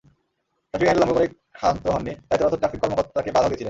Traffic আইন লঙ্ঘন করেই ক্ষান্ত হননি, দায়িত্বরত ট্রাফিক কর্মকর্তাকে বাধাও দিয়েছিলেন।